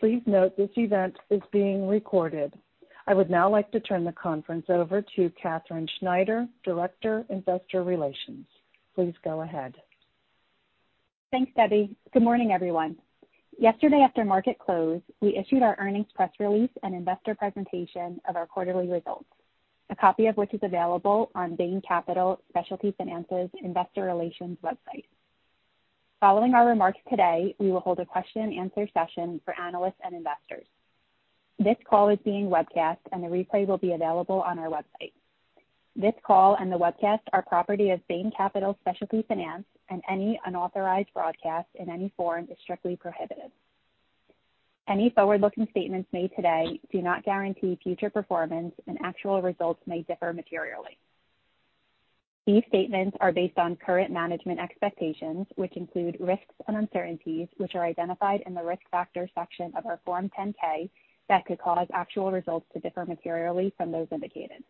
Please note this event is being recorded. I would now like to turn the conference over to Katherine Schneider, Director, Investor Relations. Please go ahead. Thanks, Debbie. Good morning, everyone. Yesterday, after market close, we issued our earnings press release and investor presentation of our quarterly results, a copy of which is available on Bain Capital Specialty Finance's Investor Relations website. Following our remarks today, we will hold a question and answer session for analysts and investors. This call is being webcast, and the replay will be available on our website. This call and the webcast are property of Bain Capital Specialty Finance, and any unauthorized broadcast in any form is strictly prohibited. Any forward-looking statements made today do not guarantee future performance, and actual results may differ materially. These statements are based on current management expectations, which include risks and uncertainties, which are identified in the Risk Factors section of our Form 10-K, that could cause actual results to differ materially from those indicated.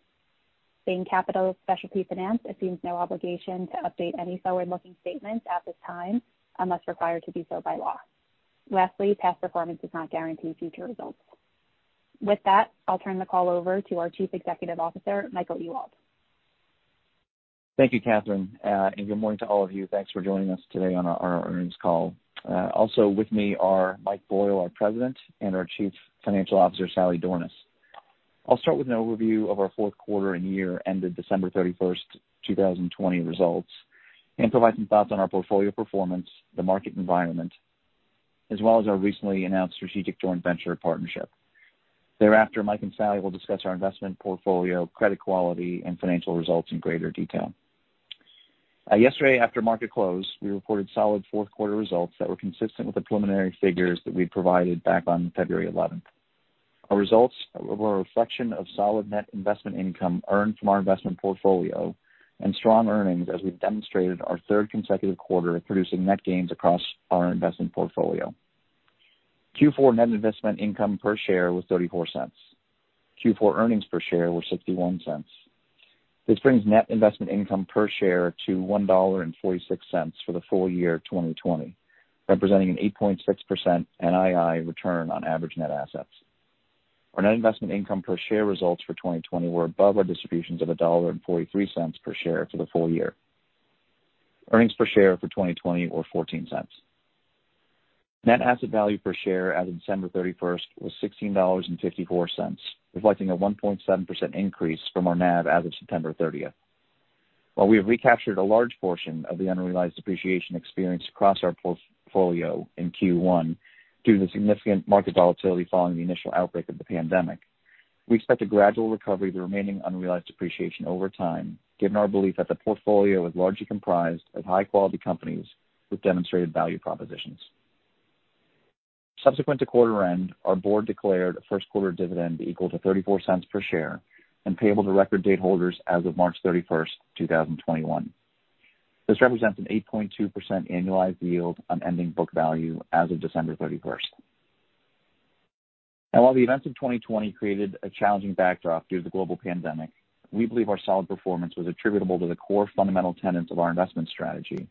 Bain Capital Specialty Finance assumes no obligation to update any forward-looking statements at this time, unless required to do so by law. Lastly, past performance does not guarantee future results. With that, I'll turn the call over to our Chief Executive Officer, Michael Ewald. Thank you, Katherine, and good morning to all of you. Thanks for joining us today on our earnings call. Also with me are Mike Boyle, our President, and our Chief Financial Officer, Sally Dornaus. I'll start with an overview of our fourth quarter and year-ended December 31st, 2020 results, and provide some thoughts on our portfolio performance, the market environment, as well as our recently announced strategic joint venture partnership. Thereafter, Mike and Sally will discuss our investment portfolio, credit quality, and financial results in greater detail. Yesterday, after market close, we reported solid fourth quarter results that were consistent with the preliminary figures that we provided back on February 11th. Our results were a reflection of solid net investment income earned from our investment portfolio and strong earnings as we've demonstrated our third consecutive quarter of producing net gains across our investment portfolio. Q4 net investment income per share was $0.34. Q4 earnings per share were $0.61. This brings net investment income per share to $1.46 for the full year 2020, representing an 8.6% NII return on average net assets. Our net investment income per share results for 2020 were above our distributions of $1.43 per share for the full year. Earnings per share for 2020 were $0.14. Net asset value per share as of December 31st was $16.54, reflecting a 1.7% increase from our NAV as of September 30. While we have recaptured a large portion of the unrealized appreciation experienced across our portfolio in Q1, due to the significant market volatility following the initial outbreak of the pandemic, we expect a gradual recovery of the remaining unrealized appreciation over time, given our belief that the portfolio is largely comprised of high-quality companies with demonstrated value propositions. Subsequent to quarter end, our board declared a first quarter dividend equal to $0.34 per share and payable to record date holders as of March 31st, 2021. This represents an 8.2% annualized yield on ending book value as of December 31st, and while the events of 2020 created a challenging backdrop due to the global pandemic, we believe our solid performance was attributable to the core fundamental tenets of our investment strategy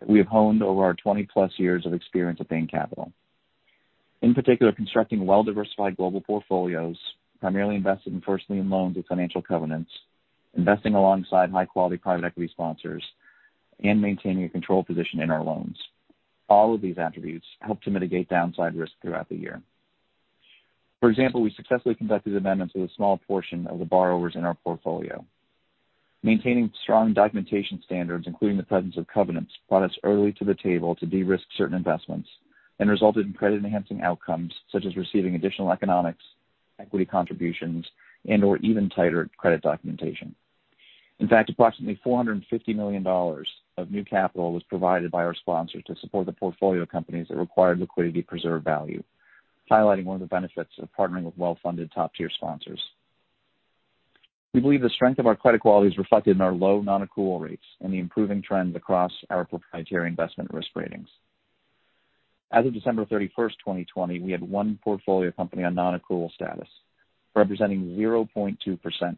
that we have honed over our 20+ years of experience at Bain Capital. In particular, constructing well-diversified global portfolios, primarily invested in first lien loans with financial covenants, investing alongside high-quality private equity sponsors, and maintaining a control position in our loans. All of these attributes helped to mitigate downside risk throughout the year. For example, we successfully conducted amendments with a small portion of the borrowers in our portfolio. Maintaining strong documentation standards, including the presence of covenants, brought us early to the table to de-risk certain investments and resulted in credit-enhancing outcomes, such as receiving additional economics, equity contributions, and/or even tighter credit documentation. In fact, approximately $450 million of new capital was provided by our sponsors to support the portfolio companies that required liquidity to preserve value, highlighting one of the benefits of partnering with well-funded, top-tier sponsors. We believe the strength of our credit quality is reflected in our low nonaccrual rates and the improving trends across our proprietary investment risk ratings. As of December 31st, 2020, we had one portfolio company on nonaccrual status, representing 0.2%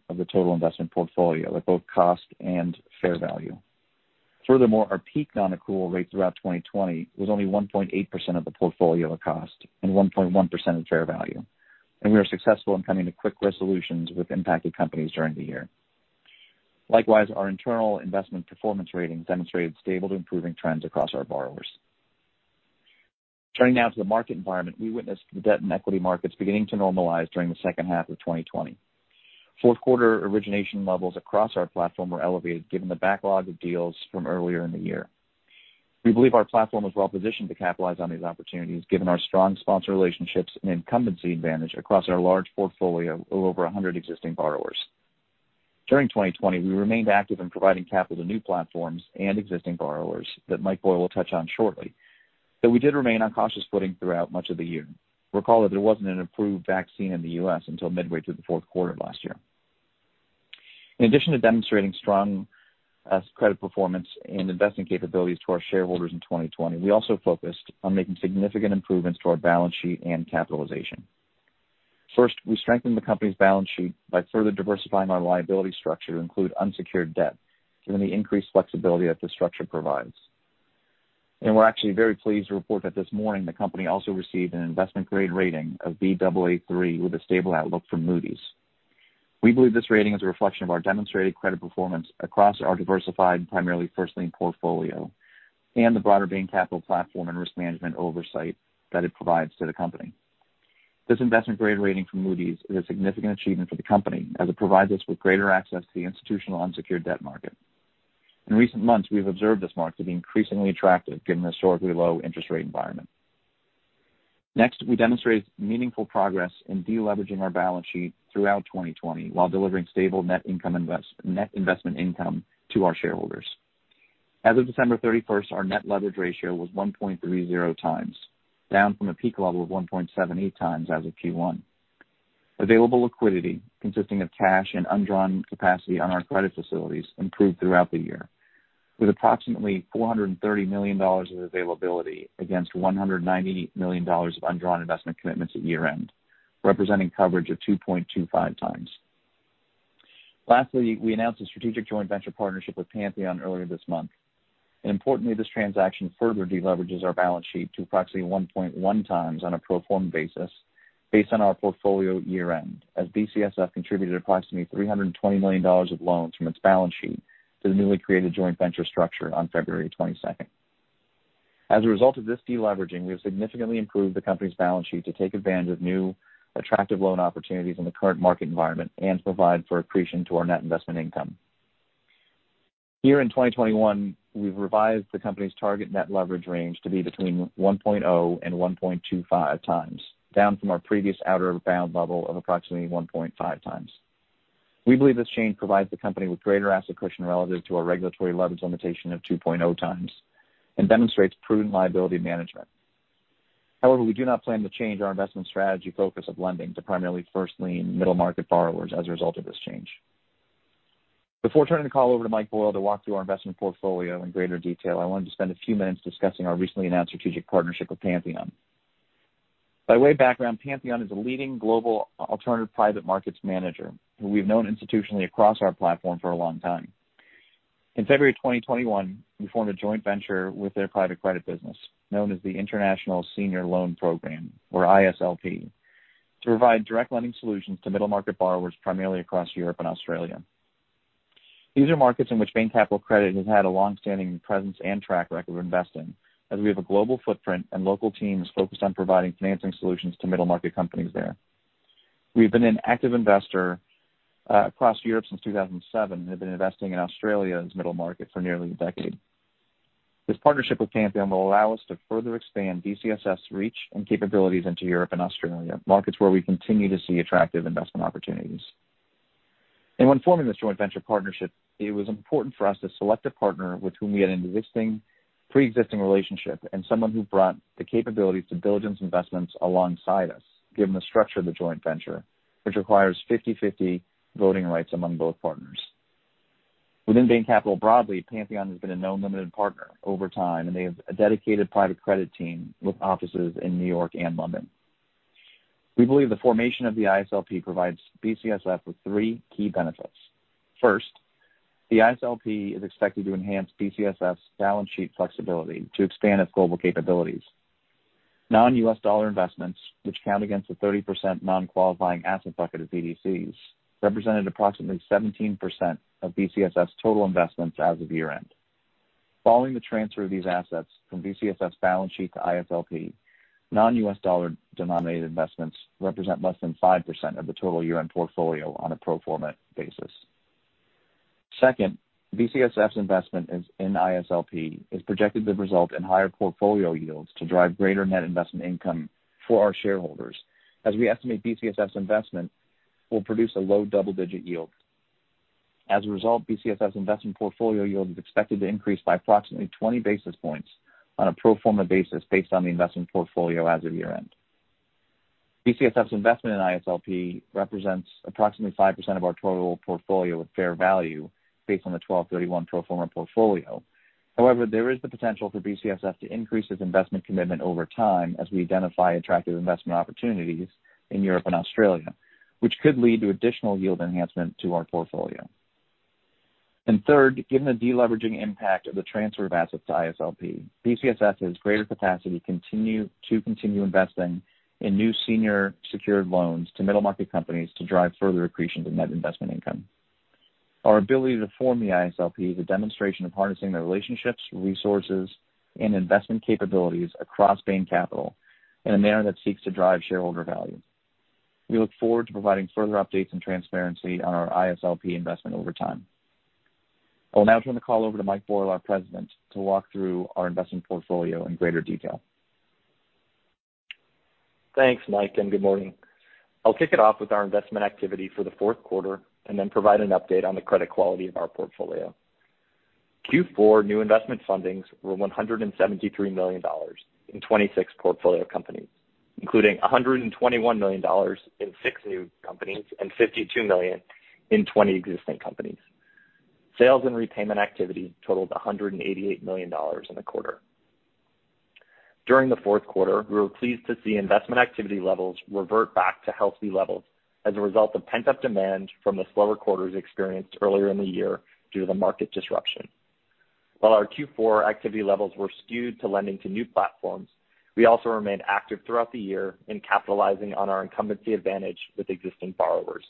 of the total investment portfolio at both cost and fair value. Furthermore, our peak nonaccrual rate throughout 2020 was only 1.8% of the portfolio at cost and 1.1% at fair value, and we were successful in coming to quick resolutions with impacted companies during the year. Likewise, our internal investment performance ratings demonstrated stable to improving trends across our borrowers. Turning now to the market environment. We witnessed the debt and equity markets beginning to normalize during the second half of 2020. Fourth quarter origination levels across our platform were elevated, given the backlog of deals from earlier in the year. We believe our platform is well positioned to capitalize on these opportunities, given our strong sponsor relationships and incumbency advantage across our large portfolio of over 100 existing borrowers. During 2020, we remained active in providing capital to new platforms and existing borrowers that Mike Boyle will touch on shortly. But we did remain on cautious footing throughout much of the year. Recall that there wasn't an approved vaccine in the U.S. until midway through the fourth quarter of last year. In addition to demonstrating strong credit performance and investing capabilities to our shareholders in 2020, we also focused on making significant improvements to our balance sheet and capitalization. First, we strengthened the company's balance sheet by further diversifying our liability structure to include unsecured debt, given the increased flexibility that this structure provides, and we're actually very pleased to report that this morning, the company also received an investment grade rating of Baa3 with a stable outlook from Moody's. We believe this rating is a reflection of our demonstrated credit performance across our diversified and primarily first lien portfolio, and the broader Bain Capital platform and risk management oversight that it provides to the company. This investment grade rating from Moody's is a significant achievement for the company, as it provides us with greater access to the institutional unsecured debt market. In recent months, we have observed this market to be increasingly attractive, given the historically low interest rate environment. Next, we demonstrated meaningful progress in deleveraging our balance sheet throughout 2020, while delivering stable net investment income to our shareholders. As of December 31, our net leverage ratio was 1.30 times, down from a peak level of 1.78 times as of Q1. Available liquidity, consisting of cash and undrawn capacity on our credit facilities, improved throughout the year, with approximately $430 million of availability against $190 million of undrawn investment commitments at year-end, representing coverage of 2.25 times. Lastly, we announced a strategic joint venture partnership with Pantheon earlier this month, and importantly, this transaction further deleverages our balance sheet to approximately 1.1 times on a pro forma basis based on our portfolio at year-end, as BCSF contributed approximately $320 million of loans from its balance sheet to the newly created joint venture structure on February 22nd. As a result of this deleveraging, we have significantly improved the company's balance sheet to take advantage of new attractive loan opportunities in the current market environment and to provide for accretion to our net investment income. Here in 2021, we've revised the company's target net leverage range to be between 1.0 and 1.25 times, down from our previous outer bound level of approximately 1.5 times. We believe this change provides the company with greater asset cushion relative to our regulatory leverage limitation of 2.0 times and demonstrates prudent liability management. However, we do not plan to change our investment strategy focus of lending to primarily first lien middle-market borrowers as a result of this change. Before turning the call over to Mike Boyle to walk through our investment portfolio in greater detail, I wanted to spend a few minutes discussing our recently announced strategic partnership with Pantheon. By way of background, Pantheon is a leading global alternative private markets manager, who we've known institutionally across our platform for a long time. In February 2021, we formed a joint venture with their private credit business, known as the International Senior Loan Program, or ISLP, to provide direct lending solutions to middle-market borrowers, primarily across Europe and Australia. These are markets in which Bain Capital Credit has had a long-standing presence and track record of investing, as we have a global footprint and local teams focused on providing financing solutions to middle-market companies there. We've been an active investor across Europe since 2007, and have been investing in Australia's middle market for nearly a decade. This partnership with Pantheon will allow us to further expand BCSF's reach and capabilities into Europe and Australia, markets where we continue to see attractive investment opportunities, and when forming this joint venture partnership, it was important for us to select a partner with whom we had an existing pre-existing relationship, and someone who brought the capabilities to diligence investments alongside us, given the structure of the joint venture, which requires 50/50 voting rights among both partners. Within Bain Capital broadly, Pantheon has been a known limited partner over time, and they have a dedicated private credit team with offices in New York and London. We believe the formation of the ISLP provides BCSF with three key benefits. First, the ISLP is expected to enhance BCSF's balance sheet flexibility to expand its global capabilities. Non-U.S. dollar investments, which count against the 30% non-qualifying asset bucket of BDCs, represented approximately 17% of BCSF's total investments as of year-end. Following the transfer of these assets from BCSF's balance sheet to ISLP, non-U.S. dollar denominated investments represent less than 5% of the total year-end portfolio on a pro forma basis. Second, BCSF's investment in ISLP is projected to result in higher portfolio yields to drive greater net investment income for our shareholders, as we estimate BCSF's investment will produce a low double-digit yield. As a result, BCSF's investment portfolio yield is expected to increase by approximately 20 basis points on a pro forma basis, based on the investment portfolio as of year-end. BCSF's investment in ISLP represents approximately 5% of our total portfolio at fair value based on the December 31 pro forma portfolio. However, there is the potential for BCSF to increase its investment commitment over time as we identify attractive investment opportunities in Europe and Australia, which could lead to additional yield enhancement to our portfolio. Third, given the deleveraging impact of the transfer of assets to ISLP, BCSF has greater capacity to continue investing in new senior secured loans to middle-market companies to drive further accretion to net investment income. Our ability to form the ISLP is a demonstration of harnessing the relationships, resources, and investment capabilities across Bain Capital in a manner that seeks to drive shareholder value. We look forward to providing further updates and transparency on our ISLP investment over time. I will now turn the call over to Mike Boyle, our President, to walk through our investment portfolio in greater detail. Thanks, Mike, and good morning. I'll kick it off with our investment activity for the fourth quarter and then provide an update on the credit quality of our portfolio. Q4 new investment fundings were $173 million in 26 portfolio companies, including $121 million in six new companies and $52 million in 20 existing companies. Sales and repayment activity totaled $188 million in the quarter. During the fourth quarter, we were pleased to see investment activity levels revert back to healthy levels as a result of pent-up demand from the slower quarters experienced earlier in the year due to the market disruption. While our Q4 activity levels were skewed to lending to new platforms, we also remained active throughout the year in capitalizing on our incumbency advantage with existing borrowers.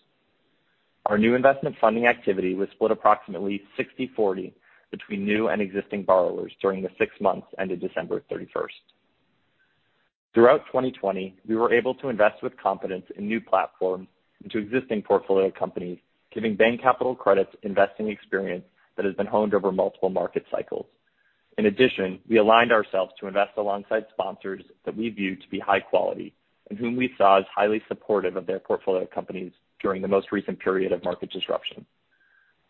Our new investment funding activity was split approximately 60/40 between new and existing borrowers during the six months ended December 31st. Throughout 2020, we were able to invest with confidence in new platforms into existing portfolio companies, giving Bain Capital Credit's investing experience that has been honed over multiple market cycles. In addition, we aligned ourselves to invest alongside sponsors that we viewed to be high quality and whom we saw as highly supportive of their portfolio companies during the most recent period of market disruption.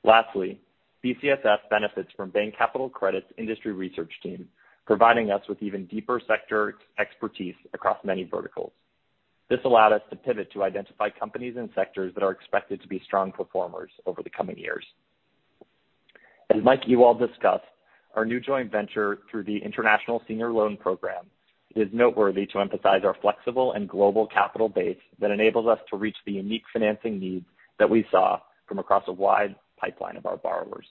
Lastly, BCSF benefits from Bain Capital Credit's industry research team, providing us with even deeper sector expertise across many verticals. This allowed us to pivot to identify companies and sectors that are expected to be strong performers over the coming years. As Michael Ewald discussed, our new joint venture through the International Senior Loan Program, it is noteworthy to emphasize our flexible and global capital base that enables us to reach the unique financing needs that we saw from across a wide pipeline of our borrowers.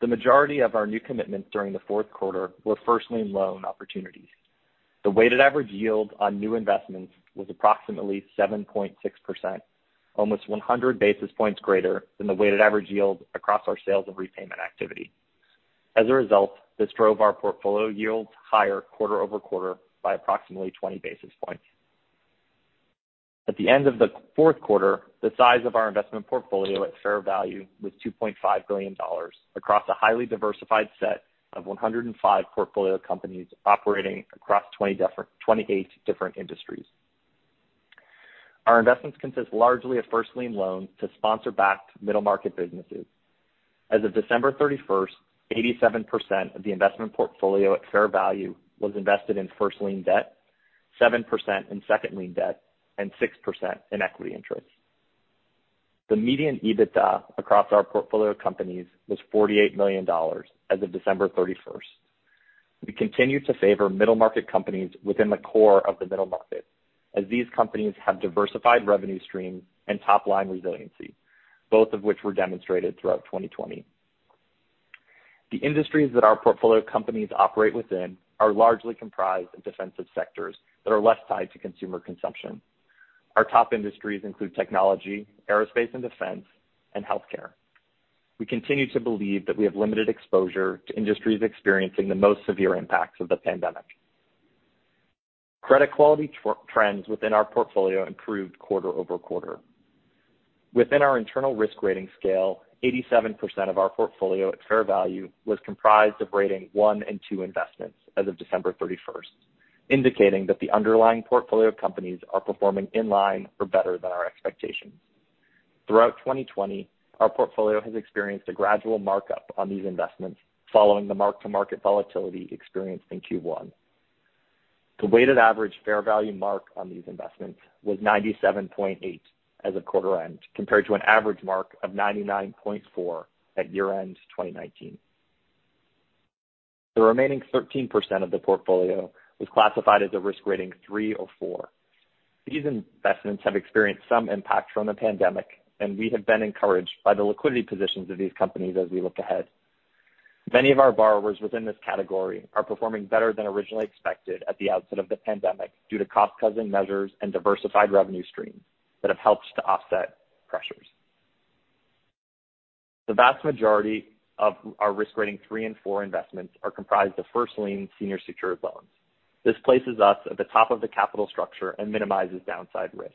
The majority of our new commitments during the fourth quarter were first lien loan opportunities. The weighted average yield on new investments was approximately 7.6%, almost 100 basis points greater than the weighted average yield across our sales and repayment activity. As a result, this drove our portfolio yields higher quarter over quarter by approximately 20 basis points. At the end of the fourth quarter, the size of our investment portfolio at fair value was $2.5 billion across a highly diversified set of 105 portfolio companies operating across 28 different industries. Our investments consist largely of first lien loans to sponsor-backed middle-market businesses. As of December 31st, 87% of the investment portfolio at fair value was invested in first lien debt, 7% in second lien debt, and 6% in equity interest. The median EBITDA across our portfolio of companies was $48 million as of December 31st. We continue to favor middle-market companies within the core of the middle market, as these companies have diversified revenue streams and top-line resiliency, both of which were demonstrated throughout 2020. The industries that our portfolio companies operate within are largely comprised of defensive sectors that are less tied to consumer consumption. Our top industries include technology, aerospace and defense, and healthcare. We continue to believe that we have limited exposure to industries experiencing the most severe impacts of the pandemic. Credit quality trends within our portfolio improved quarter over quarter. Within our internal risk rating scale, 87% of our portfolio at fair value was comprised of rating one and two investments as of December 31st, indicating that the underlying portfolio companies are performing in line or better than our expectations. Throughout 2020, our portfolio has experienced a gradual markup on these investments following the mark-to-market volatility experienced in Q1. The weighted average fair value mark on these investments was 97.8 as of quarter end, compared to an average mark of 99.4 at year-end 2019. The remaining 13% of the portfolio was classified as a risk rating three or four. These investments have experienced some impact from the pandemic, and we have been encouraged by the liquidity positions of these companies as we look ahead. Many of our borrowers within this category are performing better than originally expected at the outset of the pandemic due to cost-cutting measures and diversified revenue streams that have helped to offset pressures. The vast majority of our risk rating three and four investments are comprised of first lien senior secured loans. This places us at the top of the capital structure and minimizes downside risk.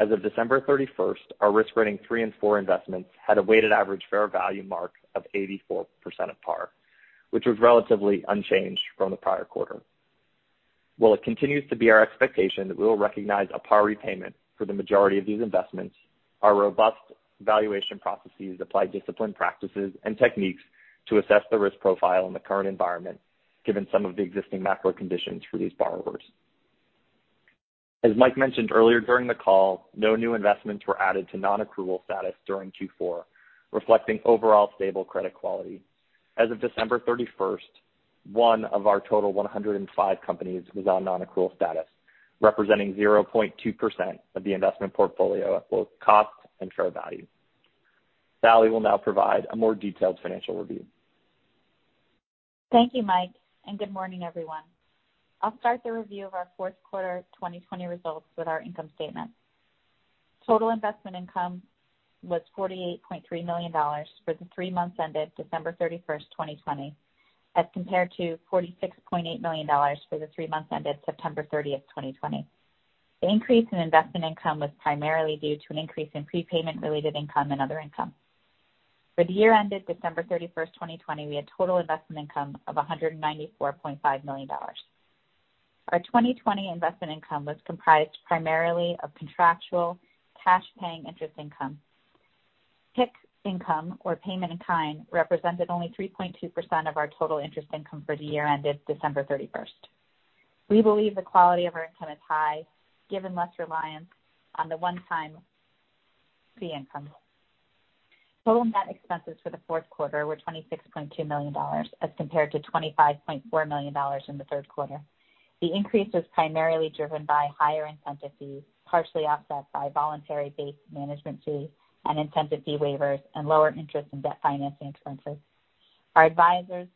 As of December 31st, our risk rating three and four investments had a weighted average fair value mark of 84% of par, which was relatively unchanged from the prior quarter. While it continues to be our expectation that we will recognize a par repayment for the majority of these investments, our robust valuation processes apply disciplined practices and techniques to assess the risk profile in the current environment, given some of the existing macro conditions for these borrowers. As Mike mentioned earlier during the call, no new investments were added to nonaccrual status during Q4, reflecting overall stable credit quality. As of December 31st, one of our total 105 companies was on nonaccrual status, representing 0.2% of the investment portfolio at both cost and fair value. Sally will now provide a more detailed financial review. Thank you, Mike, and good morning, everyone. I'll start the review of our fourth quarter 2020 results with our income statement. Total investment income was $48.3 million for the three months ended December 31, 2020, as compared to $46.8 million for the three months ended September 30, 2020. The increase in investment income was primarily due to an increase in prepayment-related income and other income. For the year ended December 31, 2020, we had total investment income of $194.5 million. Our 2020 investment income was comprised primarily of contractual cash paying interest income. PIK income, or payment in kind, represented only 3.2% of our total interest income for the year ended December 31, 2020. We believe the quality of our income is high, given less reliance on the one-time fee income.... Total net expenses for the fourth quarter were $26.2 million as compared to $25.4 million in the third quarter. The increase was primarily driven by higher incentive fees, partially offset by voluntary base management fees and incentive fee waivers and lower interest and debt financing expenses. Our advisor's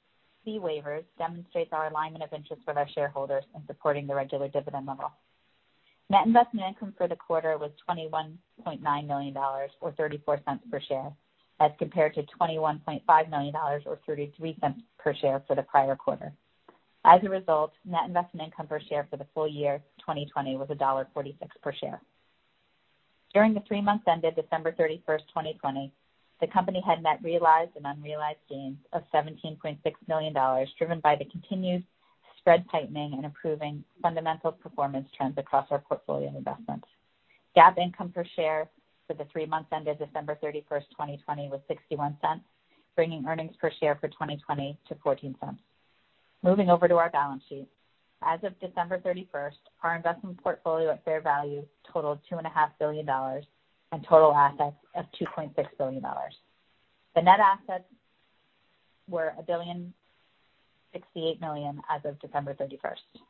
fee waivers demonstrate our alignment of interests with our shareholders in supporting the regular dividend level. Net investment income for the quarter was $21.9 million, or $0.34 per share, as compared to $21.5 million or $0.33 per share for the prior quarter. As a result, net investment income per share for the full year 2020 was $1.46 per share. During the three months ended December 31st, 2020, the company had net realized and unrealized gains of $17.6 million, driven by the continued spread tightening and improving fundamental performance trends across our portfolio of investments. GAAP income per share for the three months ended December 31st, 2020, was $0.61, bringing earnings per share for 2020 to $0.14. Moving over to our balance sheet. As of December 31st, our investment portfolio at fair value totaled $2.5 billion and total assets of $2.6 billion. The net assets were $1.068 billion as of December 31st.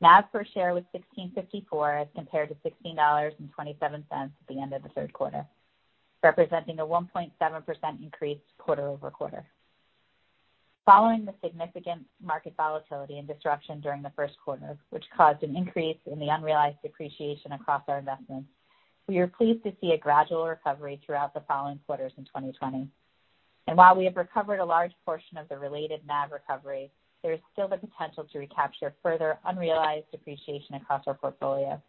NAV per share was $16.54, as compared to $16.27 at the end of the third quarter, representing a 1.7% increase quarter over quarter. Following the significant market volatility and disruption during the first quarter, which caused an increase in the unrealized depreciation across our investments, we are pleased to see a gradual recovery throughout the following quarters in 2020. And while we have recovered a large portion of the related NAV recovery, there is still the potential to recapture further unrealized depreciation across our portfolio.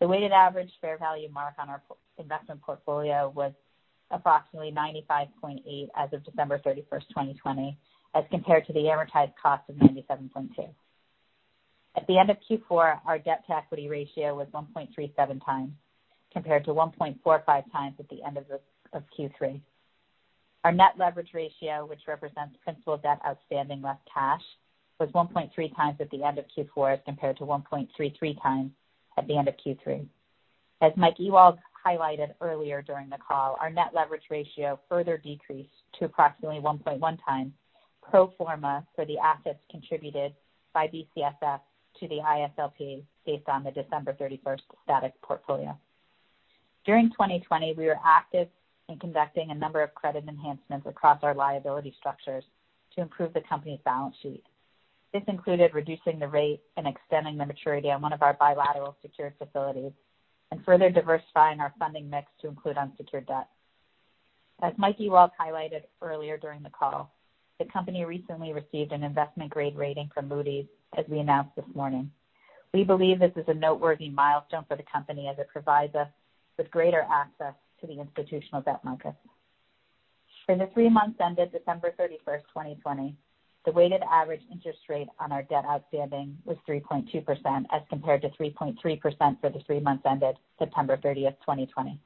The weighted average fair value mark on our investment portfolio was approximately 95.8 as of December 31st, 2020, as compared to the amortized cost of 97.2. At the end of Q4, our debt to equity ratio was 1.37x, compared to 1.45x at the end of Q3. Our net leverage ratio, which represents principal debt outstanding less cash, was 1.3x at the end of Q4, as compared to 1.33x at the end of Q3. As Mike Ewald highlighted earlier during the call, our net leverage ratio further decreased to approximately 1.1x pro forma for the assets contributed by BCSF to the ISLP based on the December 31st static portfolio. During 2020, we were active in conducting a number of credit enhancements across our liability structures to improve the company's balance sheet. This included reducing the rate and extending the maturity on one of our bilateral secured facilities and further diversifying our funding mix to include unsecured debt. As Mike Ewald highlighted earlier during the call, the company recently received an investment-grade rating from Moody's, as we announced this morning. We believe this is a noteworthy milestone for the company as it provides us with greater access to the institutional debt market. For the three months ended December 31st, 2020, the weighted average interest rate on our debt outstanding was 3.2%, as compared to 3.3% for the three months ended September 30th, 2020.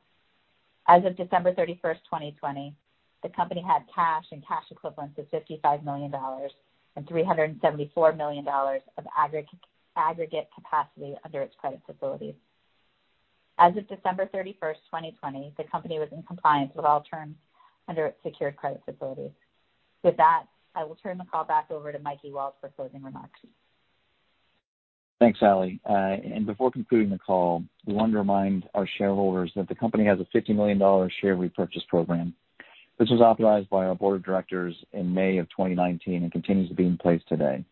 As of December 31st, 2020, the company had cash and cash equivalents of $55 million and $374 million of aggregate capacity under its credit facilities. As of December 31st, 2020, the company was in compliance with all terms under its secured credit facilities. With that, I will turn the call back over to Mike Ewald for closing remarks. Thanks, Sally. And before concluding the call, we want to remind our shareholders that the company has a $50 million share repurchase program. This was authorized by our board of directors in May of 2019 and continues to be in place today.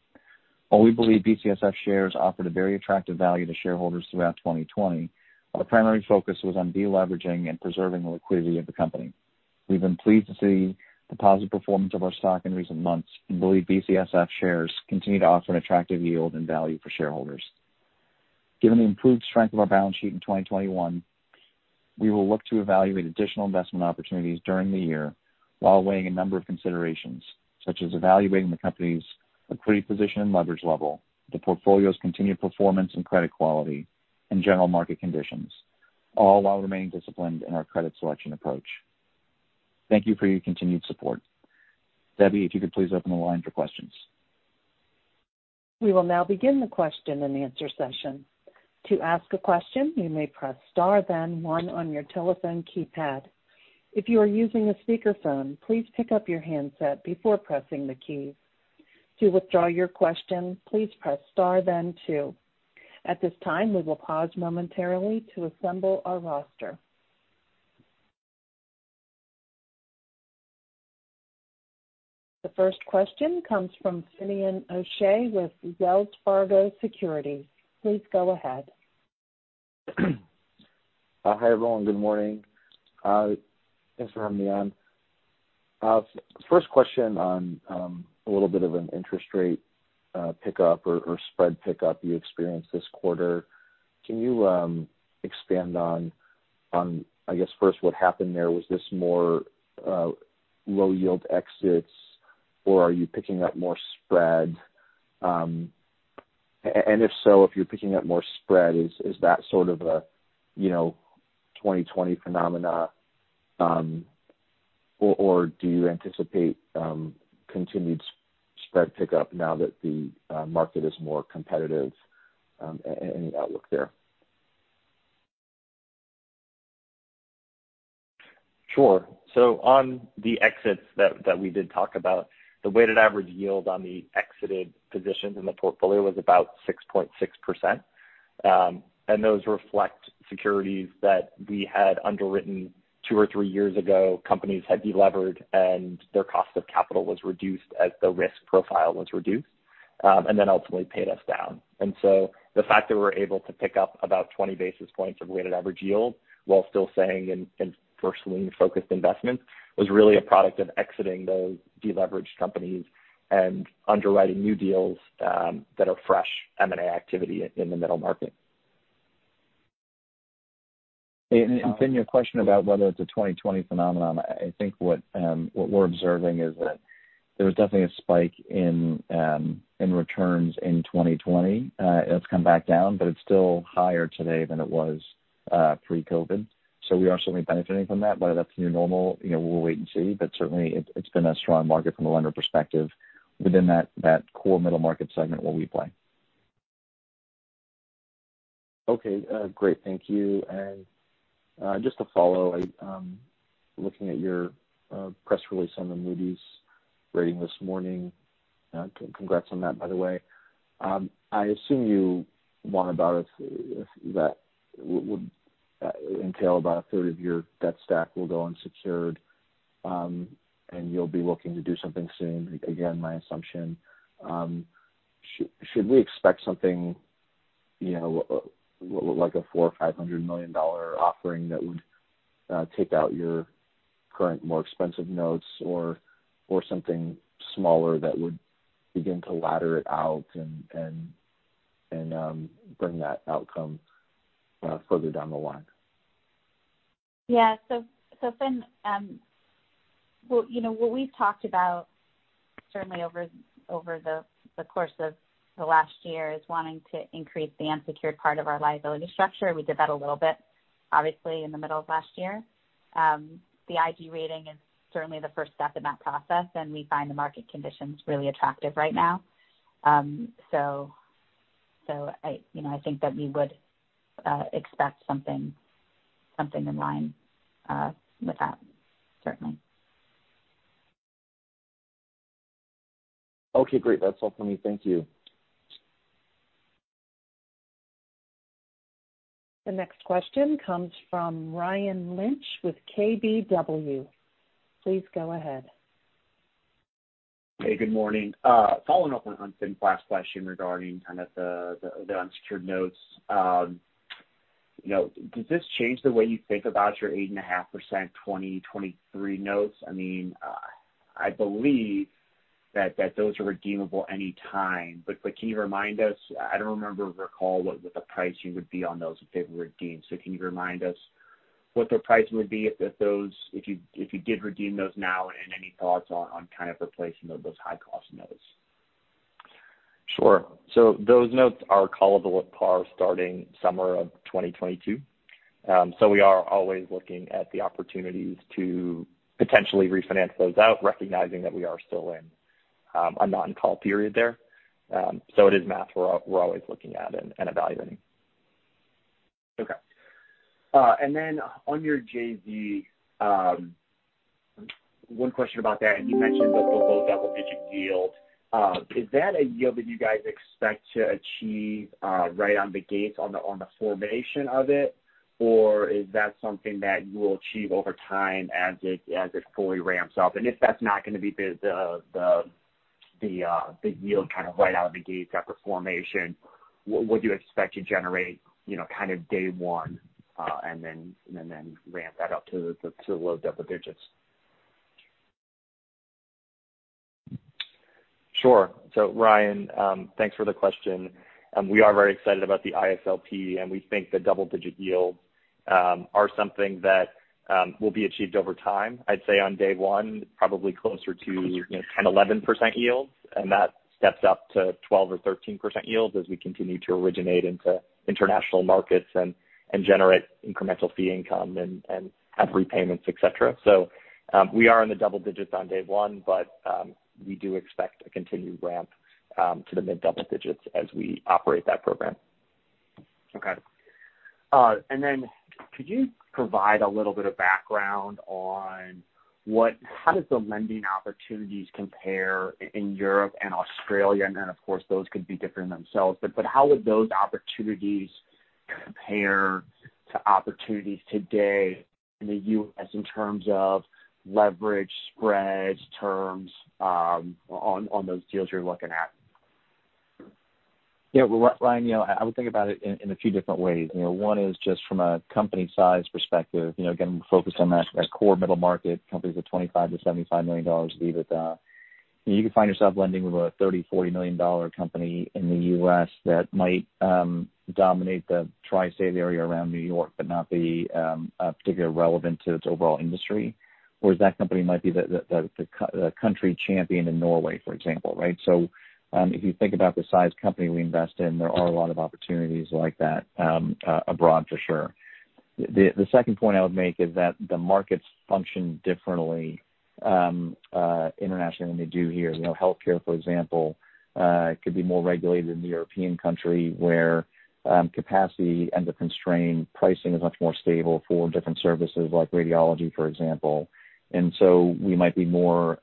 While we believe BCSF shares offered a very attractive value to shareholders throughout 2020, our primary focus was on deleveraging and preserving the liquidity of the company. We've been pleased to see the positive performance of our stock in recent months and believe BCSF shares continue to offer an attractive yield and value for shareholders. Given the improved strength of our balance sheet in 2021, we will look to evaluate additional investment opportunities during the year while weighing a number of considerations, such as evaluating the company's liquidity position and leverage level, the portfolio's continued performance and credit quality, and general market conditions, all while remaining disciplined in our credit selection approach. Thank you for your continued support. Debbie, if you could please open the line for questions. We will now begin the question and answer session. To ask a question, you may press star then one on your telephone keypad. If you are using a speakerphone, please pick up your handset before pressing the key. To withdraw your question, please press star then two. At this time, we will pause momentarily to assemble our roster. The first question comes from Finnian O'Shea with Wells Fargo Securities. Please go ahead. Hi, everyone. Good morning. Thanks for having me on. First question on a little bit of an interest rate pickup or spread pickup you experienced this quarter. Can you expand on, I guess, first, what happened there? Was this more low yield exits, or are you picking up more spread? And if so, if you're picking up more spread, is that sort of a, you know, 2020 phenomena, or do you anticipate continued spread pickup now that the market is more competitive, any outlook there?... Sure. So on the exits that we did talk about, the weighted average yield on the exited positions in the portfolio was about 6.6%. Those reflect securities that we had underwritten two or three years ago. Companies had delevered, and their cost of capital was reduced as the risk profile was reduced, and then ultimately paid us down. The fact that we're able to pick up about 20 basis points of weighted average yield while still staying in primarily focused investments was really a product of exiting those deleveraged companies and underwriting new deals that are fresh M&A activity in the middle market. Finn, your question about whether it's a 2020 phenomenon, I think what we're observing is that there was definitely a spike in returns in 2020. It's come back down, but it's still higher today than it was pre-COVID. So we are certainly benefiting from that. Whether that's new normal, you know, we'll wait and see. But certainly, it's been a strong market from a lender perspective within that core middle market segment where we play. Okay, great, thank you. And, just to follow, I, looking at your press release on the Moody's rating this morning, congrats on that, by the way. I assume you want about it, that would entail about a third of your debt stack will go unsecured, and you'll be looking to do something soon. Again, my assumption. Should we expect something, you know, like a $400 million-$500 million offering that would take out your current more expensive notes, or something smaller that would begin to ladder it out and bring that outcome further down the line? Yeah. So, Finn, well, you know, what we've talked about certainly over the course of the last year is wanting to increase the unsecured part of our liability structure. We did that a little bit, obviously, in the middle of last year. The IG rating is certainly the first step in that process, and we find the market conditions really attractive right now. So, I, you know, I think that we would expect something in line with that, certainly. Okay, great. That's all for me. Thank you. The next question comes from Ryan Lynch with KBW. Please go ahead. Hey, good morning. Following up on Finn's last question regarding kind of the unsecured notes, you know, does this change the way you think about your 8.5% 2023 notes? I mean, I believe that those are redeemable any time, but can you remind us? I don't remember or recall what was the price you would be on those if they were redeemed. So can you remind us what the price would be if those - if you did redeem those now, and any thoughts on kind of replacing those high-cost notes? Sure. So those notes are callable at par starting summer of 2022. So we are always looking at the opportunities to potentially refinance those out, recognizing that we are still in a non-call period there. So it is math we're always looking at and evaluating. Okay. And then on your JV, one question about that, and you mentioned the low double-digit yield. Is that a yield that you guys expect to achieve right out the gate on the formation of it? Or is that something that you will achieve over time as it fully ramps up? And if that's not gonna be the yield kind of right out of the gate after formation, what would you expect to generate, you know, kind of day one, and then ramp that up to the low double digits? Sure. So Ryan, thanks for the question, and we are very excited about the ISLP, and we think the double-digit yields are something that will be achieved over time. I'd say on day one, probably closer to, you know, 10%, 11% yields, and that steps up to 12% or 13% yields as we continue to originate into international markets and generate incremental fee income and have repayments, et cetera. So, we are in the double digits on day one, but we do expect a continued ramp to the mid double digits as we operate that program. Okay. And then could you provide a little bit of background on how does the lending opportunities compare in Europe and Australia? And then, of course, those could be different themselves, but how would those opportunities compare to opportunities today in the U.S. in terms of leverage, spreads, terms, on those deals you're looking at? Yeah, well, Ryan, you know, I would think about it in a few different ways. You know, one is just from a company size perspective, you know, again, we focus on that core middle market, companies with $25 million-$75 million of EBITDA. You could find yourself lending with a $30 million-$40 million company in the U.S. that might dominate the tri-state area around New York, but not be particularly relevant to its overall industry. Whereas that company might be the country champion in Norway, for example, right? So, if you think about the size company we invest in, there are a lot of opportunities like that abroad for sure. The second point I would make is that the markets function differently internationally than they do here. You know, healthcare, for example, could be more regulated in the European country, where capacity and the constrained pricing is much more stable for different services like radiology, for example. And so we might be more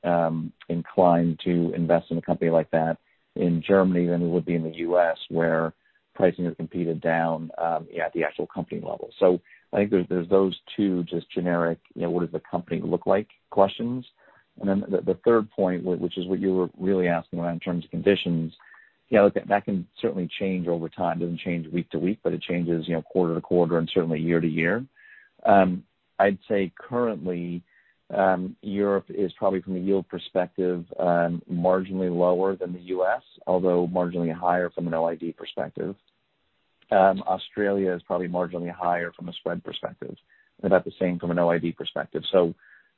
inclined to invest in a company like that in Germany than we would be in the U.S., where pricing is competed down at the actual company level. So I think there's those two just generic, you know, what does the company look like questions. And then the third point, which is what you were really asking about in terms of conditions, yeah, look, that can certainly change over time. It doesn't change week to week, but it changes, you know, quarter to quarter and certainly year to year. I'd say currently, Europe is probably, from a yield perspective, marginally lower than the U.S., although marginally higher from an OID perspective. Australia is probably marginally higher from a spread perspective, about the same from an OID perspective. So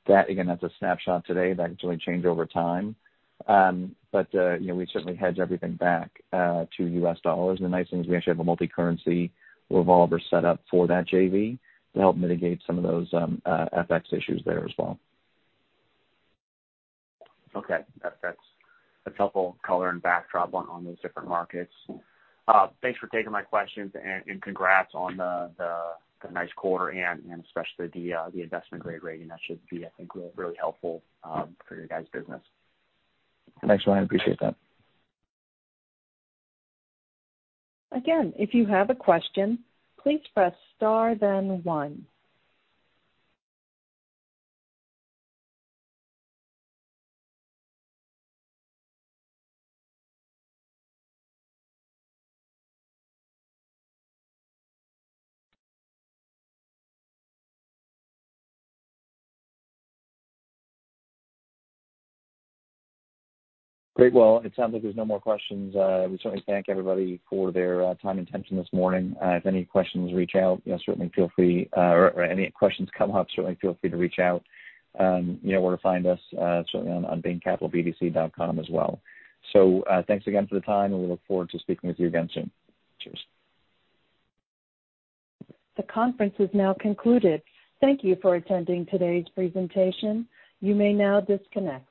that, again, that's a snapshot today. That can certainly change over time. But you know, we certainly hedge everything back to U.S. dollars. And the nice thing is we actually have a multicurrency revolver set up for that JV to help mitigate some of those FX issues there as well. Okay. That's a helpful color and backdrop on those different markets. Thanks for taking my questions, and congrats on the nice quarter and especially the investment-grade rating. That should be, I think, really helpful for your guys' business. Thanks, Ryan. I appreciate that. Again, if you have a question, please press star then one. Great. Well, it sounds like there's no more questions. We certainly thank everybody for their time and attention this morning. If any questions, reach out, you know, certainly feel free, or any questions come up, certainly feel free to reach out. You know where to find us, certainly on BainCapitalBDC.com as well. So, thanks again for the time, and we look forward to speaking with you again soon. Cheers. The conference is now concluded. Thank you for attending today's presentation. You may now disconnect.